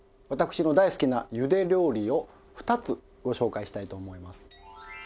私の大好きなゆで料理を２つご紹介したいと思います。